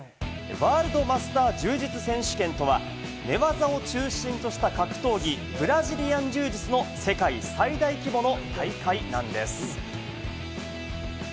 ワールドマスター柔術選手権とは、寝技を中心とした格闘技・ブラジリアン柔術の世界最大規模の大会なんです。